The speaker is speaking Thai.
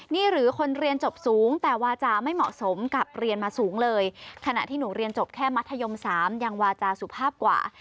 นี่หรือคนเรียนจบสูงแต่วาจาไม่เหมาะสมกับเรียนมาสูงเลยขณะที่หนูเรียนจบแค่มัธยม๓ยังวาจาสุภาพกว่า